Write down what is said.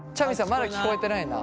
まだ聞こえてないな。